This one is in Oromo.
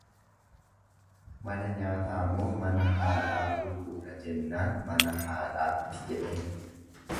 Mana nyaataa moo mana haadhaa buluudha jennaan mana haadhaatti jedheen.